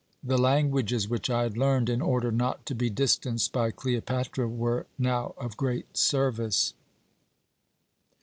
The languages which I had learned, in order not to be distanced by Cleopatra, were now of great service.